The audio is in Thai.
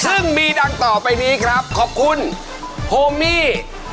ซึ่งมีดังต่อไปนี้ครับขอบคุณโฮมี่